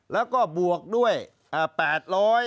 แล้วก็บวกด้วย๘๐๐บาท